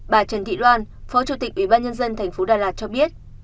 bà trần thị loan phó chủ tịch ủy ban nhân dân thành phố đà lạt cho biết